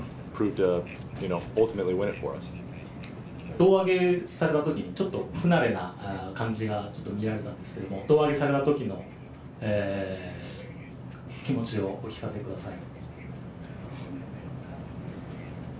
胴上げされたときに、ちょっと不慣れな感じがちょっと見られたんですけれども、胴上げされたときの気持ちをお聞かせください。